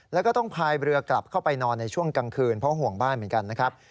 แล้วก็ต้องพายเรือกลับเข้าไปนอนในช่วงกลางคืนเพราะห่วงบ้านเหมือนกันนะครับ